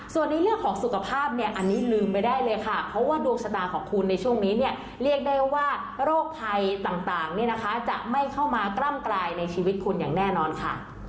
ส่วนในเรื่องของสุขภาพเนี่ยอันนี้ลืมไปได้เลยค่ะเพราะว่าดวงชะตาของคุณในช่วงนี้เนี่ยเรียกได้ว่าโรคภัยต่างเนี่ยนะคะจะไม่เข้ามากล้ำกลายในชีวิตคุณอย่างแน่นอนค่ะ